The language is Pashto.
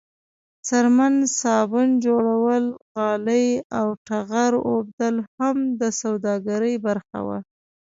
څرمن، صابون جوړول، غالۍ او ټغر اوبدل هم د سوداګرۍ برخه وه.